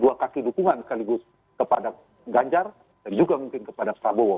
dua kaki dukungan sekaligus kepada ganjar dan juga mungkin kepada prabowo